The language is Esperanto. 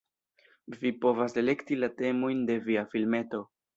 Vi povas elekti la temojn de via filmeto